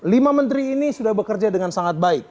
lima menteri ini sudah bekerja dengan sangat baik